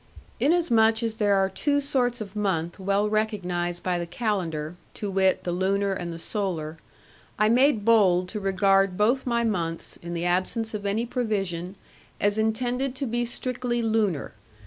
Inasmuch as there are two sorts of month well recognised by the calendar, to wit the lunar and the solar, I made bold to regard both my months, in the absence of any provision, as intended to be strictly lunar.